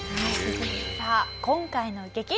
さあ今回の激